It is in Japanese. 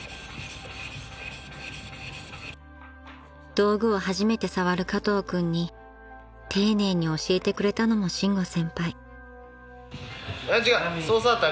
［道具を初めて触る加藤君に丁寧に教えてくれたのも伸吾先輩］